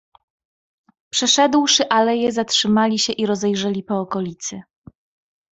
"Przeszedłszy aleje, zatrzymali się i rozejrzeli po okolicy."